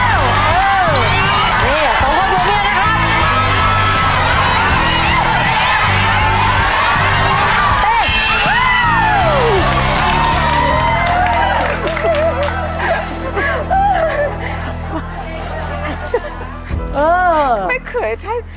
ไม่เคยใช่